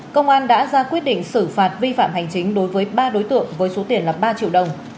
công an đã ra quyết định xử phạt vi phạm hành chính đối với ba đối tượng với số tiền là ba triệu đồng